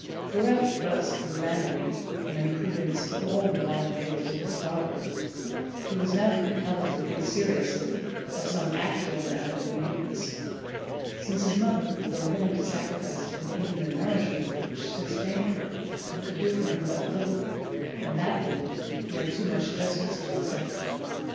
Bereft thus through vanity and imprudence of all the long labours of his father, he was now compelled to think seriously of some actual method of maintenance; since his mother, though willing to sacrifice to him even the nourishment which sustained her, could do for him but little, and that little he had too much justice to accept.